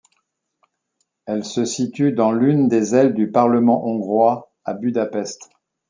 Elle se situe dans l'une des ailes du Parlement hongrois à Budapest.